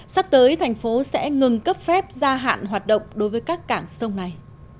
sắp tới thành phố sẽ ngừng cấp phép gia hạn hoạt động đối với các cảng sông này